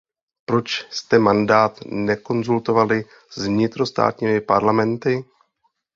Proč jste mandát nekonzultovali s vnitrostátními parlamenty?